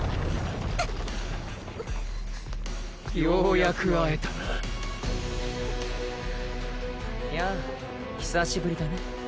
ようやく会えたなやあ久しぶりだね